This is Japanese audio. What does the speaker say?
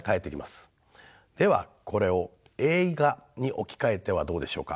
ではこれを映画に置き換えてはどうでしょうか。